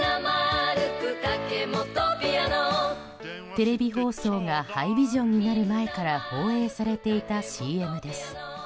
テレビ放送がハイビジョンになる前から放映されていたＣＭです。